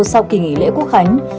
sau kỳ nghỉ lễ quốc khánh